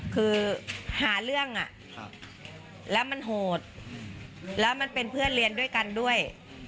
คือหาเรื่องแล้วมันโหดแล้วมันเป็นเพื่อนเรียนด้วยกันด้วย